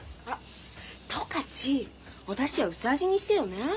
十勝おだしは薄味にしてよね。